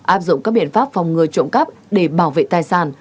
áp dụng các biện pháp phòng ngừa trộm cắp để bảo vệ tài sản